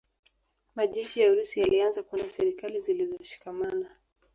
Majeshi ya Urusi yalianza kuunda serikali zilizoshikamana